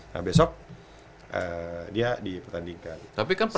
nah besok dia di pertandingkan